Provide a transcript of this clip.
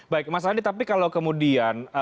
baik mas andi tapi kalau kemudian